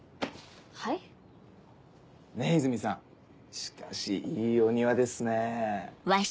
はい？ねぇ泉さんしかしいいお庭ですね。